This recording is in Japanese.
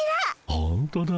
ほんとだ。